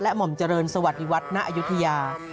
และหม่อมเจริญสวัสดีวัฒน์ณอยุธยา